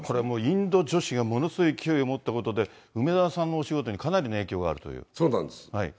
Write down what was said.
インド女子がものすごい勢いを持ったことで、梅沢さんのお仕そうなんです。